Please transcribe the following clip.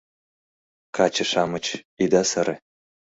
Каче-шамыч, ида сыре